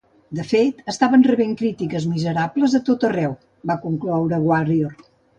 De fet, estaven "rebent crítiques miserables a tot arreu", va concloure Warrior.